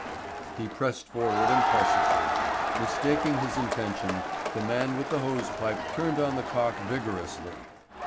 He pressed forward impulsively. Mistaking his intention, the man with the hosepipe turned on the cock vigorously.